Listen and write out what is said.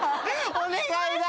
お願いだ。